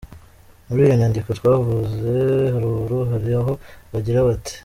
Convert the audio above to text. Muri iyo nyandiko twavuze haruguru, hari aho bagira bati: